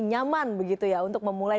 nyaman begitu ya untuk memulai